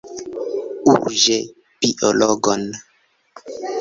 Urĝe biologon!